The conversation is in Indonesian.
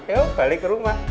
ayo balik ke rumah